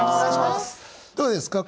どうですか？